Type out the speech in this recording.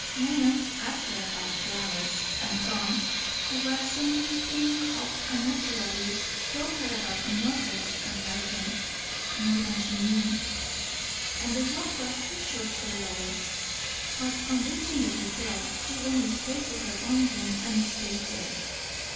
Lenox asked her about flowers; and Tom, who was some thing of a naturalist, told her about mosses and lichens, more than she knew; and the walk was too short for Lois. But on reaching the hotel she went straight to her own room and stayed there.